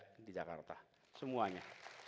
bebas pajak di jakarta semuanya